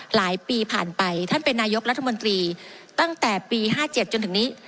หลายปีผ่านไปท่านเป็นนายกรัฐมนตรีตั้งแต่ปี๕๗จนถึงนี้